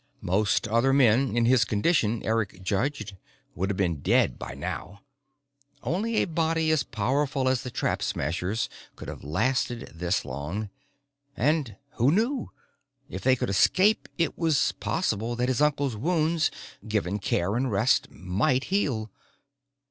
Most other men in his condition, Eric judged, would have been dead by now. Only a body as powerful as the Trap Smasher's could have lasted this long. And who knew? if they could escape, it was possible that his uncle's wounds, given care and rest, might heal.